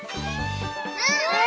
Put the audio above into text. うん！